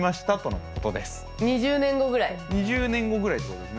２０年後ぐらいってことですね。